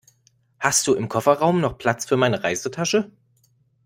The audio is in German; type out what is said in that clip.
Hast du im Kofferraum noch Platz für meine Reisetasche?